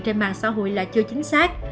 trên mạng xã hội là chưa chính xác